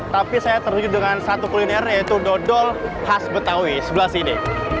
tapi saya terjun dengan satu kuliner yaitu dodol khas betawi sebelah sini